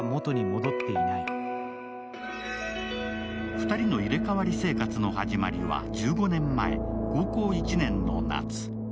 ２人の入れ替わり生活の始まりは１５年前、高校１年の夏。